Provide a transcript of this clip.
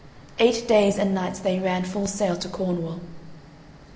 Eight days and nights they ran full sail to Cornwall.